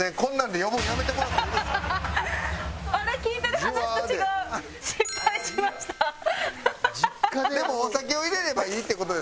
でもお酒を入れればいいって事ですもんね？